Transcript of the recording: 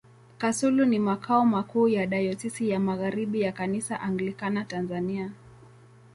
Kasulu ni makao makuu ya Dayosisi ya Magharibi ya Kanisa Anglikana Tanzania.